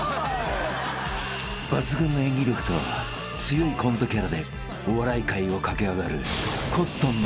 ［抜群の演技力と強いコントキャラでお笑い界を駆け上がるコットンの］